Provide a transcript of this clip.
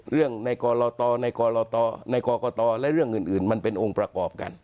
เรื่องในกรตในกรกตและเรื่องอื่นมันเป็นองค์ประกอบกัน